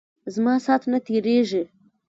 زما سات نه تیریژی.